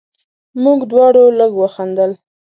موږ دواړو لږ وخندل.